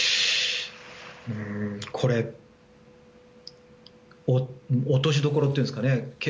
これ落としどころというんですかね